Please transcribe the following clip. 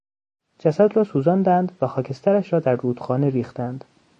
جسد را سوزاندند و خاکسترش را در رودخانه ریختند.